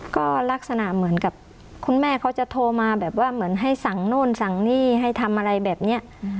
ก็ลักษณะเหมือนกับคุณแม่เขาจะโทรมาแบบว่าเหมือนให้สั่งโน่นสั่งนี่ให้ทำอะไรแบบนี้